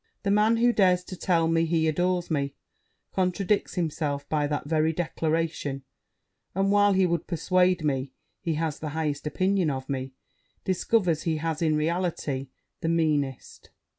The man who dares to tell me he adores me, contradicts himself by that very declaration; and while he would persuade me he has the highest opinion of me, discovers he has in reality the meanest.'